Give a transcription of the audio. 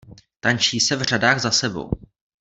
Tančí se v řadách za sebou.